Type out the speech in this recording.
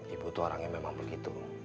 ibu itu orangnya memang begitu